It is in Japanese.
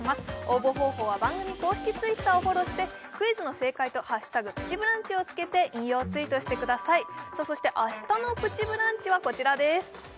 応募方法は番組公式Ｔｗｉｔｔｅｒをフォローしてクイズの正解と「＃プチブランチ」をつけて引用ツイートしてくださいそして明日の「プチブランチ」はこちらです